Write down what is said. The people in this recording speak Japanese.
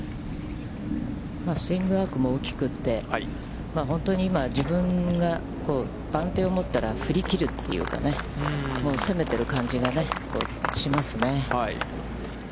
スイングアークも大きくて、本当に今、自分が番手を持ったら振り切るというか、攻めている感じがしますね。